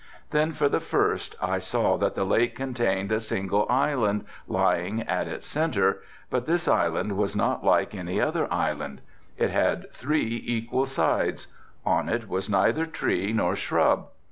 Then, for the first, I saw that the lake contained a single island, lying in its centre, but this island was not like any other island. It had three equal sides, on it was neither tree nor shrub.